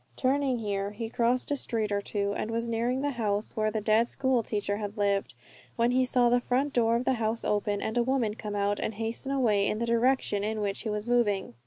Turning here he crossed a street or two, and was nearing the house where the dead school teacher had lived, when he saw the front door of the house open, and a woman come out and hasten away in the direction in which he was moving.